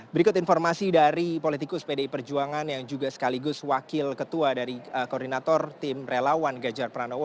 berikut informasi dari politikus pdi perjuangan yang juga sekaligus wakil ketua dari koordinator tim relawan ganjar pranowo